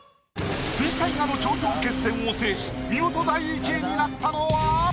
水彩画の頂上決戦を制し見事第１位になったのは？